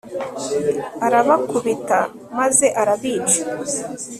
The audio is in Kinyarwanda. arabakubita maze arabica